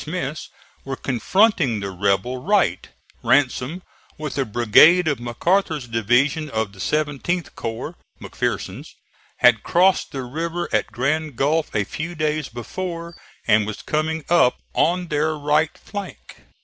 Smith's, were confronting the rebel right; Ransom, with a brigade of McArthur's division of the 17th corps (McPherson's), had crossed the river at Grand Gulf a few days before, and was coming up on their right flank.